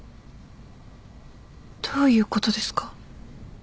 どういうことですか？